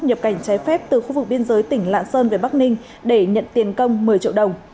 nhập cảnh trái phép từ khu vực biên giới tỉnh lạng sơn về bắc ninh để nhận tiền công một mươi triệu đồng